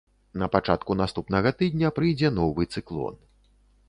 На пачатку наступнага тыдня прыйдзе новы цыклон.